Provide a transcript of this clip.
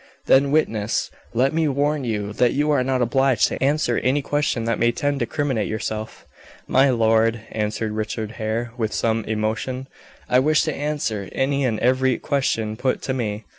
"Then, witness, let me warn you that you are not obliged to answer any question that may tend to criminate yourself." "My lord," answered Richard Hare, with some emotion, "I wish to answer any and every question put to me.